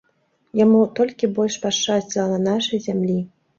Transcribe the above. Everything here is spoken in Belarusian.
Яму толькі больш пашчасціла на нашай зямлі.